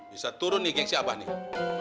bisa turun nih kayak siapa nih